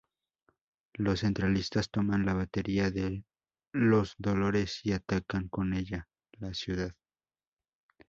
Los centralistas toman la batería de Los Dolores y atacan con ella la ciudad.